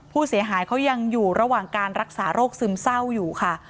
ผู้เสียหายเขายังอยู่ระหว่างการรักษาโรคซึมเศร้าอยู่ค่ะ